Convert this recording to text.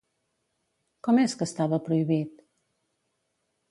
Com és que estava prohibit?